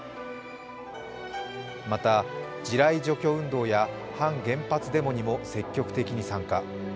また、地雷除去運動や反原発デモにも積極的に参加。